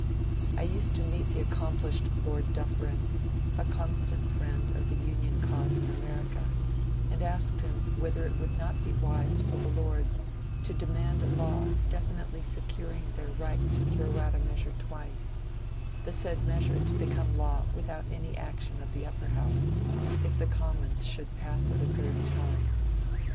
I used to meet the accomplished Lord Dufferin, a constant friend of the Union cause in America, and asked him whether it would not be wise for the Lords to demand a law definitely securing their right to throw out a measure twice, the said measure to become law without any action of the Upper House if the Commons should pass it a third time.